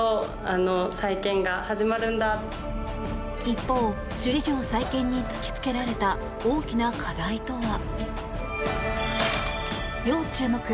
一方、首里城再建に突きつけられた大きな課題とは。